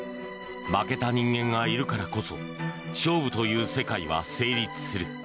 負けた人間がいるからこそ勝負という世界は成立する。